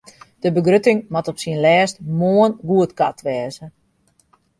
De begrutting moat op syn lêst moarn goedkard wêze.